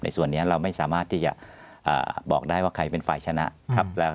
ส่วนนี้เราไม่สามารถที่จะบอกได้ว่าใครเป็นฝ่ายชนะครับ